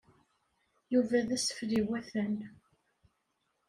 Yuba d asfel iwatan.